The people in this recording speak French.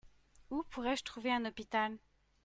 Où pourrais-je trouver un hôpital ?